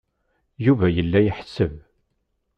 Yuba yella iḥesseb.